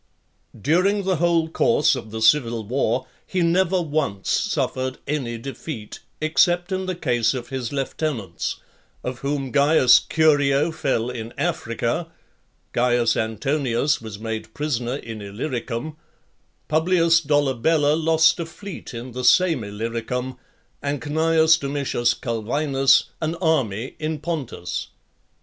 XXXVI. During the whole course of the civil war, he never once suffered any defeat, except in the case of his lieutenants; of whom Caius Curio fell in Africa, Caius Antonius was made prisoner in Illyricum, Publius Dolabella lost a fleet in the same Illyricum, and Cneius Domitius Culvinus, an army in Pontus.